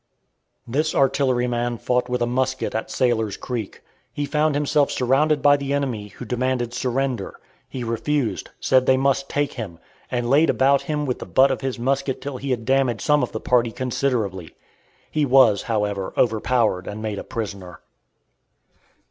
This artilleryman fought with a musket at Sailor's Creek. He found himself surrounded by the enemy, who demanded surrender. He refused; said they must take him; and laid about him with the butt of his musket till he had damaged some of the party considerably. He was, however, overpowered and made a prisoner.